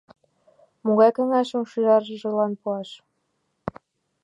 Могай каҥашым шӱжаржылан пуаш?